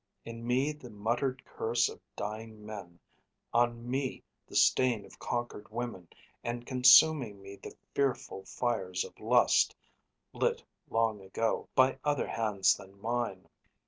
In me the muttered curse of dying men, On me the stain of conquered women, and Consuming me the fearful fires of lust, Lit long ago, by other hands than mine.